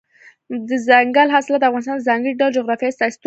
دځنګل حاصلات د افغانستان د ځانګړي ډول جغرافیې استازیتوب کوي.